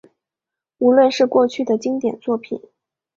无论是过去的经典作品